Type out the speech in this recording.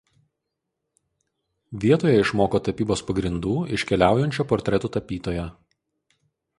Vietoje išmoko tapybos pagrindų iš keliaujančio portretų tapytojo.